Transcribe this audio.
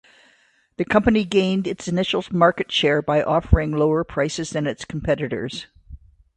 The company gained its initial market share by offering lower prices than its competitors.